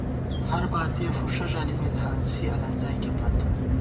ہرباتِیَہ فُݭہ ݫَلِمېت، ہانسی النزَئیکےپت